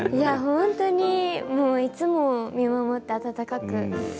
本当にいつも見守ってくれて温かく。